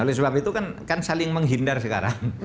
oleh sebab itu kan saling menghindar sekarang